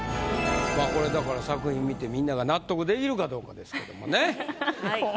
まぁこれだから作品見てみんなが納得できるかどうかですけどもね。